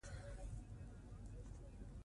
رسوب د افغانستان د سیاسي جغرافیه برخه ده.